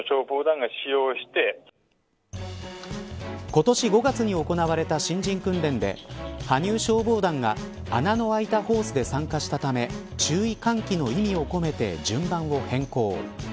今年５月に行われた新人訓練で羽生消防団が穴の開いたホースで参加したため注意喚起の意味を込めて順番を変更。